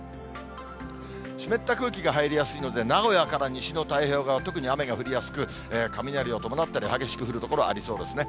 湿った空気が入りやすいので、名古屋から西の太平洋側、特に雨が降りやすく、雷を伴ったり、激しく降る所、ありそうですね。